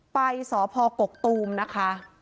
ไปสพกกตูมนะคะ